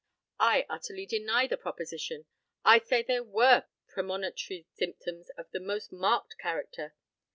I utterly deny the proposition, I say there were premonitory symptoms of the most marked character.